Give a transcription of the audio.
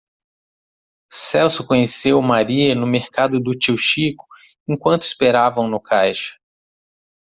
celso conheceu maria no mercado do tio chico enquanto esperavam no caixa